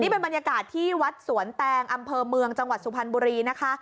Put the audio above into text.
เป็นบรรยากาศที่วัดสวนแตงอำเภอเมืองจังหวัดสุพรรณบุรีนะคะ